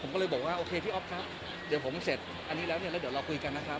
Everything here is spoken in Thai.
ผมก็เลยบอกว่าโอเคพี่อ๊อฟครับเดี๋ยวผมเสร็จอันนี้แล้วเนี่ยแล้วเดี๋ยวเราคุยกันนะครับ